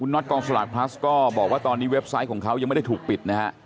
็อตกองสลากพลัสก็บอกว่าตอนนี้เว็บไซต์ของเขายังไม่ได้ถูกปิดนะฮะ